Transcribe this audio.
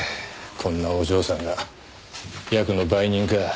こんなお嬢さんがヤクの売人か。